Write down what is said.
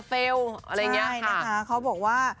เฟลอะไรแบบนี้ค่ะเขาบอกว่า